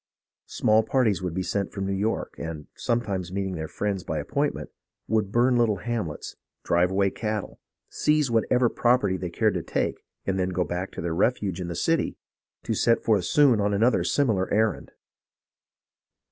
Small parties would be sent from New York, and, sometimes meeting their friends by appointment, would burn little hamlets, drive away cattle, seize whatever property they cared to take, and then go back to their refuge in the city to set forth soon on another similar errand.